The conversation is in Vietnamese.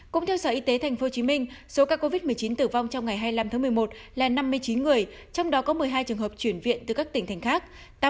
cũng theo sở y tế tp hcm số ca covid một mươi chín tử vong trong ngày hai mươi năm tháng một mươi một là năm mươi chín người trong đó có một mươi hai trường hợp chuyển viện từ các tỉnh thành khác